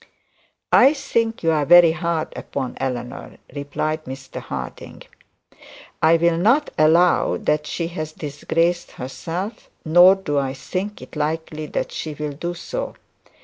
'I think you are very hard upon Eleanor,' replied Mr Harding. 'I will not allow that she has disgraced herself, nor do I think it likely that she will do so.